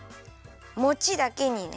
もちだけにね。